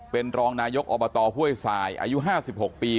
เป็นรองนายกอบตพว่วยสายอายุห้าสิบหกปี